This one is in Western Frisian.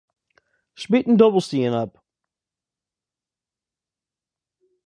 Smyt in dobbelstien op.